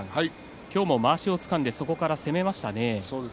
今日もまわしをつかんでそこから攻めましたね。